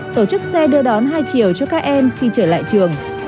tổ chức xe đưa đón hai chiều cho các em khi trở lại trường